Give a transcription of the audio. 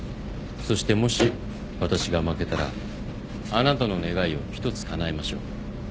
そしてもし私が負けたらあなたの願いを一つかなえましょう。